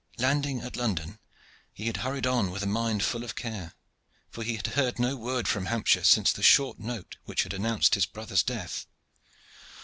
Landing at London, he had hurried on with a mind full of care, for he had heard no word from Hampshire since the short note which had announced his brother's death.